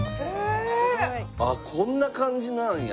あっこんな感じなんや。